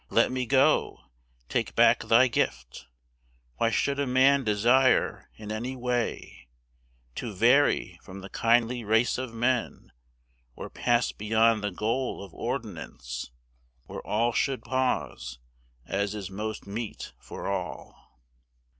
Let me go: take back thy gift: Why should a man desire in any way To vary from the kindly race of men, Or pass beyond the goal of ordinance Where all should pause, as is most meet for all?